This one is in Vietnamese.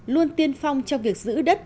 luôn tiên phong trong việc giữ đất